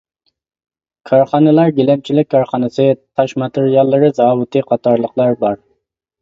كارخانىلار گىلەمچىلىك كارخانىسى، تاش ماتېرىياللىرى زاۋۇتى قاتارلىقلار بار.